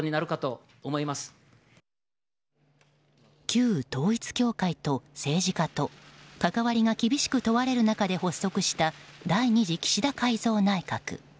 旧統一教会と政治家と関わりが厳しく問われる中で発足した第２次岸田改造内閣。